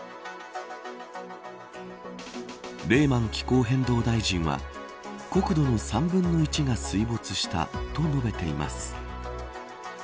レーマン気候変動大臣は国土の３分の１が水没したと述べています。